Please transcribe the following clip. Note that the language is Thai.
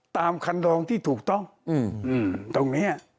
ตามคันรองที่ถูกต้องตรงนี้